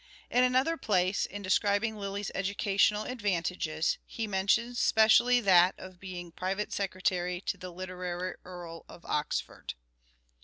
In another place, in describing Lyly's educational advantages, he mentions specially that of being " private secretary to the literaiy Earl of Oxford."